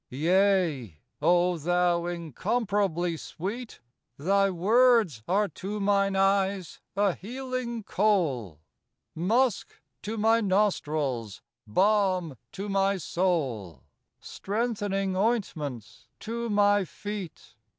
Yea, O thou incomparably Sweet, Thy words are to mine eyes a healing kohl, Alusk to my nostrils, balm to my soul, Strengthening ointments to my feet.